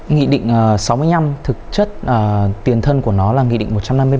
nghị định sáu mươi năm thực chất tiền thân của nó là nghị định một trăm năm mươi ba